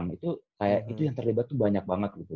itu kayak itu yang terlibat tuh banyak banget gitu